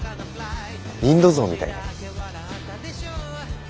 インド象みたいで。